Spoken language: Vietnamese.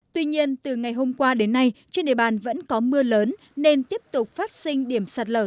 tuy nhiên từ ngày hôm qua đến nay trên địa bàn vẫn có mưa lớn nên tiếp tục phát sinh điểm sạt lở